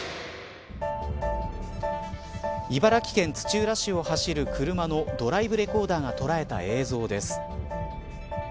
茨城県土浦市を走る車のドライブレコーダーが捉えた映像です。